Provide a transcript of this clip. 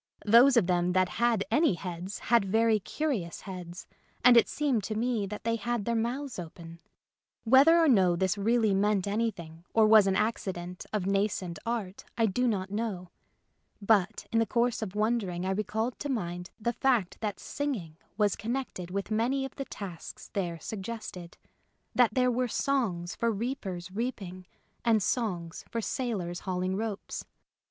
Those of them that had any heads had very curious heads, and it seemed to me that they had their mouths open. Whether or no this really meant anything or was an accident of nascent art I do not know ; but in the course of wondering I recalled to my mind the fact that singing was connected with many of the tasks [i°S] The Little Birds Who Won't Sing there suggested, that there were songs for reapers reaping and songs for sailors haul ing ropes.